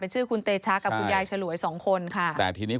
เผื่อเขายังไม่ได้งาน